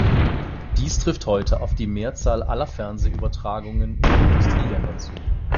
Dies trifft heute auf die Mehrzahl aller Fernsehübertragungen in den Industrieländern zu.